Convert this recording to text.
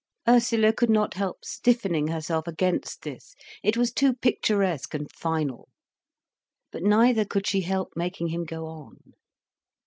Ursula could not help stiffening herself against this, it was too picturesque and final. But neither could she help making him go on.